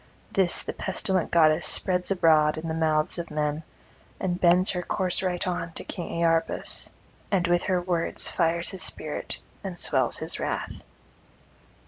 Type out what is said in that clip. This the pestilent goddess [195 227]spreads abroad in the mouths of men, and bends her course right on to King Iarbas, and with her words fires his spirit and swells his wrath.